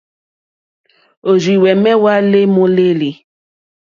Òrzìhwɛ̀mɛ́ hwá lê môlélí.